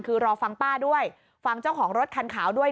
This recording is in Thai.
คือรอฟังป้าด้วยฟังเจ้าของรถคันขาวด้วย